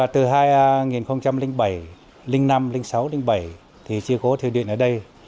từ hai nghìn bảy hai nghìn năm hai nghìn sáu hai nghìn bảy thì chưa có thủy điện ở đây